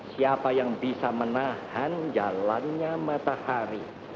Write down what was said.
siapa yang bisa menahan jalannya matahari